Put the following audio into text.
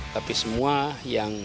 tapi semua yang